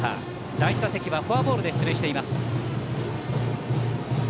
第１打席はフォアボールで出塁しています。